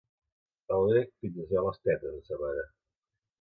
El grec fins es beu les tetes de sa mare.